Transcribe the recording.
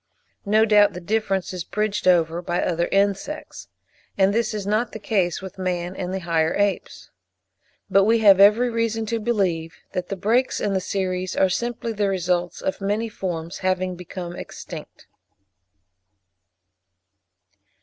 No doubt the difference is bridged over by other insects; and this is not the case with man and the higher apes. But we have every reason to believe that the breaks in the series are simply the results of many forms having become extinct.